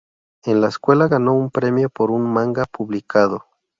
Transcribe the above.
En la escuela ganó un premio por un manga publicado.